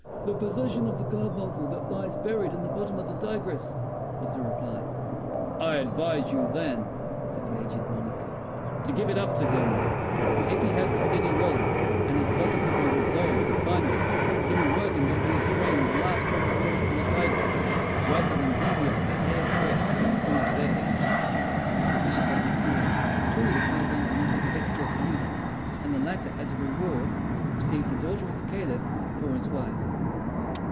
"The possession of the carbuncle that lies buried in the bottom of the Tigris," was the reply. "I advise you, then," said the aged monarch, "to give it up to him; for if he has the steady will, and has positively resolved to find it, he will work until he has drained the last drop of water from the Tigris, rather than deviate a hair's breadth from his purpose." The fishes, out of fear, threw the carbuncle into the vessel of the youth; and the latter, as a reward, received the daughter of the Caliph for his wife."